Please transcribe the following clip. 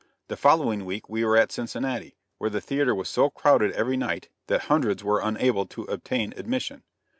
The following week we were at Cincinnati, where the theater was so crowded every night that hundreds were unable to obtain admission.